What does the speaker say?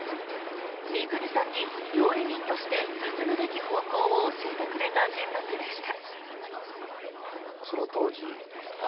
三國さんに料理人として進むべき方向を教えてくれた人物でした。